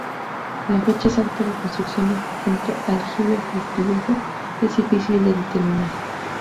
La fecha exacta de construcción del conjunto aljibe-castillejo es difícil de determinar.